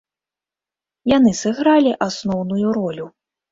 Яны сыгралі асноўную ролю.